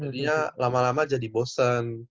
jadi dia lama lama jadi bosen